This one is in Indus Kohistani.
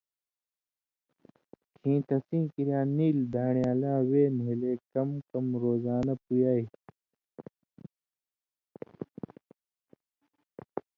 کھیں تسیں کریا نیل دان٘ڑیالاں وے نھیلے کم کم روزانہ پُویائ۔